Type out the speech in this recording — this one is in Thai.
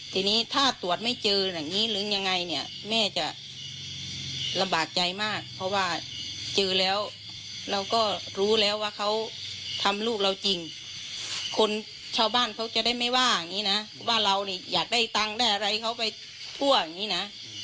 ทีนี้ถ้าตรวจไม่เจออย่างนี้หรือยังไงเนี่ยแม่จะลำบากใจมากเพราะว่าเจอแล้วเราก็รู้แล้วว่าเขาทำลูกเราจริงคนชาวบ้านเขาจะได้ไม่ว่าอย่างนี้นะว่าเรานี่อยากได้ตังค์ได้อะไรเขาไปทั่วอย่างนี้นะ